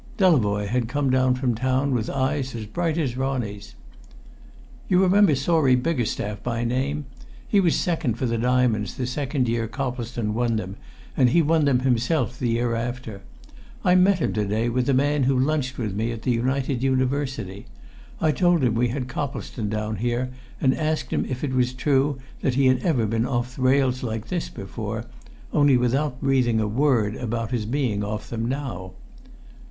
Delavoye had come down from town with eyes as bright as Ronnie's. "You remember Sawrey Biggerstaff by name? He was second for the Diamonds the second year Coplestone won them, and he won them himself the year after. I met him to day with a man who lunched me at the United University. I told him we had Coplestone down here, and asked him if it was true that he had ever been off the rails like this before, only without breathing a word about his being off them now.